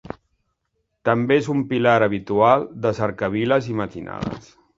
També és un pilar habitual de cercaviles i matinades.